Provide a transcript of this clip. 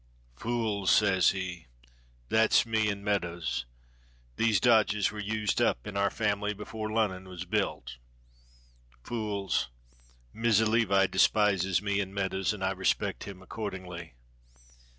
'Fools!' says he that's me and Meadows, 'these dodges were used up in our family before Lunnun was built. Fools!' Mizza Levi despises me and Meadows; and I respect him accordingly.